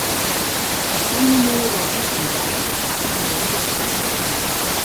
Espanya no era el que semblava ni ho havia estat mai.